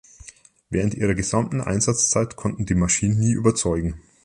Während ihrer gesamten Einsatzzeit konnten die Maschinen nie überzeugen.